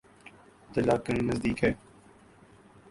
تلہ گنگ نزدیک ہے۔